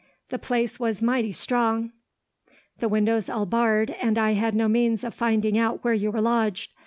The place was mighty strong, the windows all barred, and I had no means of finding out where you were lodged.